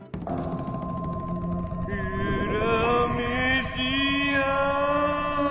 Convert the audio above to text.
うらめしや。